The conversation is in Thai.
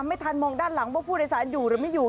ไม่ทันมองด้านหลังว่าผู้โดยสารอยู่หรือไม่อยู่